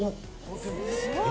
すごい。